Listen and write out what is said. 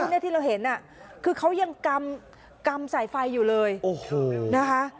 ที่ที่เราเห็นอ่ะคือเขายังกลำใส่ไฟอยู่เลยนะคะ